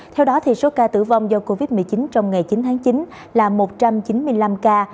theo đó số ca tử vong do covid một mươi chín trong ngày chín tháng chín là một trăm chín mươi năm ca